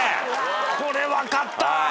これ分かった。